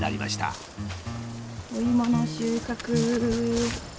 お芋の収穫！